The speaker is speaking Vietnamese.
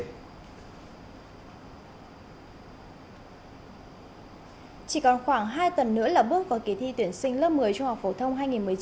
chỉ còn khoảng hai tuần nữa là bước vào kỳ thi tuyển sinh lớp một mươi trung học phổ thông hai nghìn một mươi chín hai nghìn hai mươi